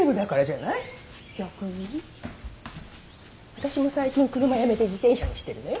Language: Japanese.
私も最近車やめて自転車にしてるのよ。